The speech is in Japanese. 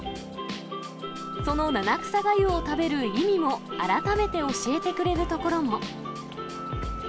その七草がゆを食べる意味も、改めて教えてくれるところも。